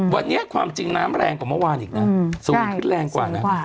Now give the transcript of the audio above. วันนี้ความจริงน้ำแรงกว่าเมื่อวานอีกนะสูงขึ้นแรงกว่านะ